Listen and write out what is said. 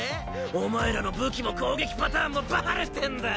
お前らの武器も攻撃パターンもバレてんだ！